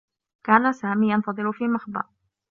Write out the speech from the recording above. كان سامي ينتظر في مخبأ.